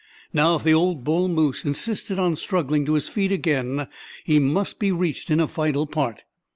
Now if the old bull moose insisted on struggling to his feet again, he must be reached in a vital part.